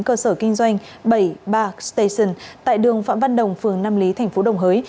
cơ sở kinh doanh bảy ba station tại đường phạm văn đồng phường nam lý tp đồng hới